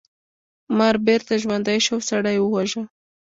مار بیرته ژوندی شو او سړی یې وواژه.